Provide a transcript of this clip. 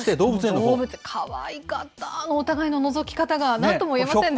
かわいかった、お互いののぞき方が、なんとも言えませんね。